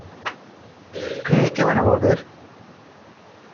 ¿ cree que van a volver?